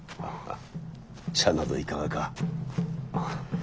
茶などいかがか。